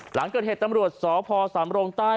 หลังเกิดเหตุตำรวจสพสำรงใต้